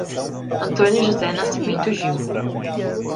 Antônio José Nascimento Gil